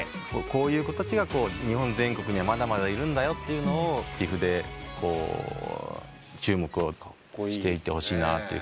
こういう子たちが日本全国にはまだまだいるんだよというのをＴＩＦで注目していってほしいなって感じです。